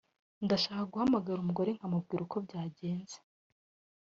Ndashaka guhamagara umugore nkamubwira uko byagenze